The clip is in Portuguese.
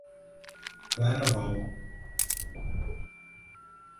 Claraval